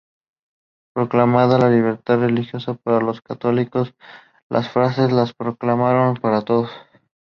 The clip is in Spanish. Proclamando la libertad religiosa para los católicos, los franceses la proclamaron para todos.